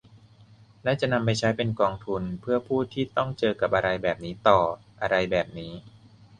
และจะนำไปใช้เป็นกองทุนเพื่อผู้ที่ต้องเจอกับอะไรแบบนี้ต่อ | อะไรแบบนี้